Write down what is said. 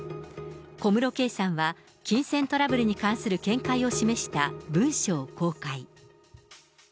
小室圭さんは金銭トラブルに関する見解を示した文書を公開。